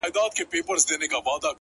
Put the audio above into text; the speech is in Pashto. • زما خوبـونو پــه واوښـتـل؛